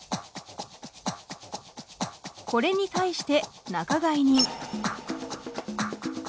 これに対して仲買人。